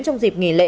trong dịp nghỉ lễ